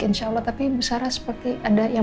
insya allah tapi bu sarah seperti ada yang